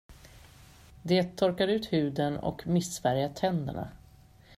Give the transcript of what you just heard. Det torkar ut huden och missfärgar tänderna.